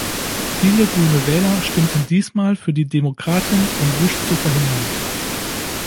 Viele grüne Wähler stimmten diesmal für die Demokraten, um Bush zu verhindern.